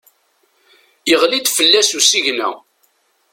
Yeɣli-d fell-as usigna.